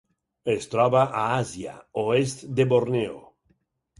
Es troba a Àsia: oest de Borneo.